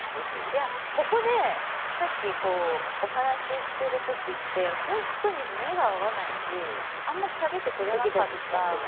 いやここでさっきこうお話ししてる時って本当に目が合わないしあんまりしゃべってくれなかった。